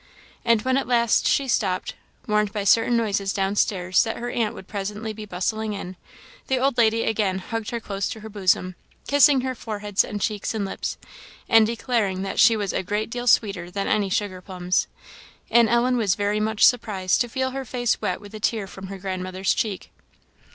And when at last she stopped, warned by certain noises downstairs that her aunt would presently be bustling in, the old lady again hugged her close to her bosom, kissing her forehead and cheeks and lips, and declaring that she was "a great deal sweeter than any sugar plums;" and Ellen was very much surprised to feel her face wet with a tear from her grandmother's cheek.